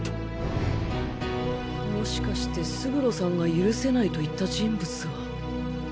もしかして勝呂さんが許せないと言った人物は。